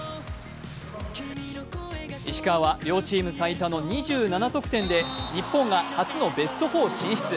石川は両チーム最多の２７得点で日本が初のベスト４進出。